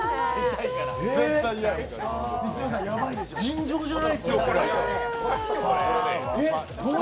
尋常じゃないっすよ、これ。